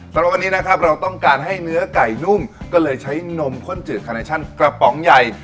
สำหรับวันนี้นะครับเราต้องการให้เนื้อไก่นุ่มก็เลยใช้นมข้นจืดคาเนชั่นกระป๋องใหญ่